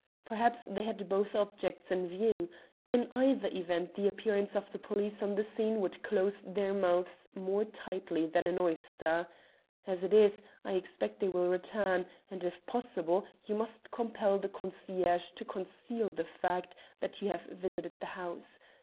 Perhaps they had both objects in view. In either event the appearance of the police on the scene would close their mouths more tightly than an oyster. As it is, I expect they will return, and, if possible, you must compel the concierge to conceal the fact that you have visited the house.